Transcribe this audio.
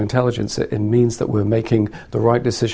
ini berarti kita membuat keputusan yang benar lebih sering